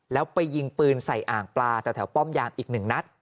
แล้วไปยิงปืนใส่อ่างปลาแต่แถวป้อมยามอีกหนึ่งนัด